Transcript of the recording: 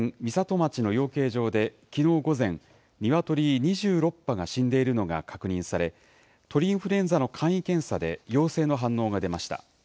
町の養鶏場できのう午前、ニワトリ２６羽が死んでいるのが確認され、鳥インフルエンザの簡易検査で、陽性の反応が出ました。